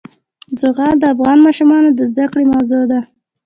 زغال د افغان ماشومانو د زده کړې موضوع ده.